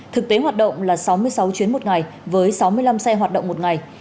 thực tế hoạt động là sáu mươi sáu chuyến một ngày với sáu mươi năm xe hoạt động một ngày